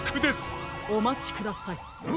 おまちください。